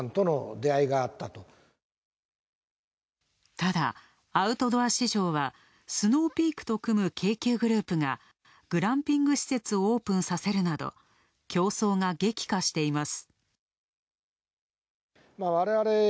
ただアウトドア市場はスノーピークと組む京急グループが、グランピング施設をオープンさせるなど競争が激化しています。